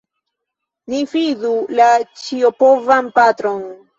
Ni fidu la Ĉiopovan Patron!